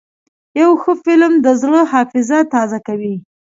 یو ښه فلم د زړه حافظه تازه کوي.